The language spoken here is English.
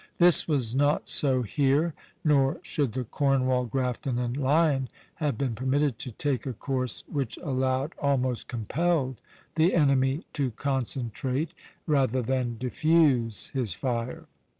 This was not so here. Nor should the "Cornwall," "Grafton," and "Lion" have been permitted to take a course which allowed, almost compelled, the enemy to concentrate rather than diffuse his fire.